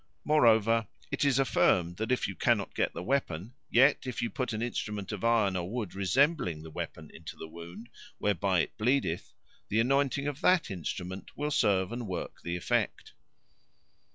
Moreover, "it is affirmed that if you cannot get the weapon, yet if you put an instrument of iron or wood resembling the weapon into the wound, whereby it bleedeth, the anointing of that instrument will serve and work the effect."